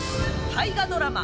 大河ドラマ